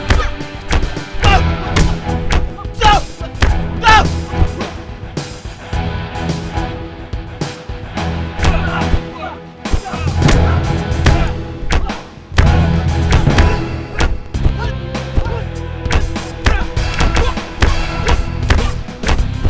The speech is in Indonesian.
tunggal tunggal tunggal